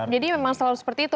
jadi memang selalu seperti itu